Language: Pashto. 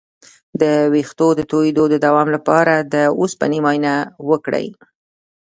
د ویښتو د تویدو د دوام لپاره د اوسپنې معاینه وکړئ